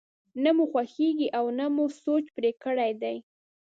نه مو خوښېږي او نه مو سوچ پرې کړی دی.